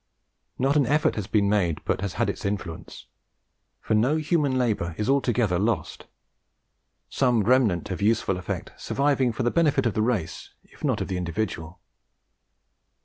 Not an effort has been made but has had its influence. For no human labour is altogether lost; some remnant of useful effect surviving for the benefit of the race, if not of the individual.